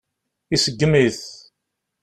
Iseggem-it.